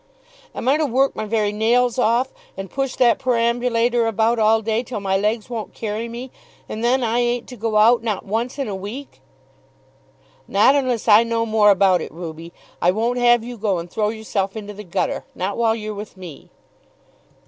"Am I to work my very nails off, and push that perambulator about all day till my legs won't carry me, and then I ain't to go out, not once in a week?" "Not unless I know more about it, Ruby. I won't have you go and throw yourself into the gutter; not while you're with me."